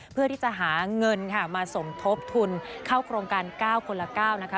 เพื่อที่จะหาเงินค่ะมาสมทบทุนเข้าโครงการ๙คนละ๙นะคะ